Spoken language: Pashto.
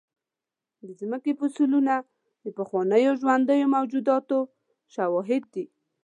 د مځکې فوسیلونه د پخوانیو ژوندیو موجوداتو شواهد دي.